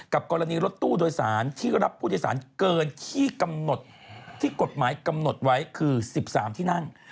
กรณีรถตู้โดยสารที่รับผู้โดยสารเกินที่กำหนดที่กฎหมายกำหนดไว้คือ๑๓ที่นั่ง